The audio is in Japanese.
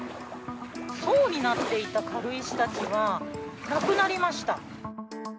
層になっていた軽石たちがなくなりました。